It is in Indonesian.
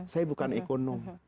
saya bukan ekonom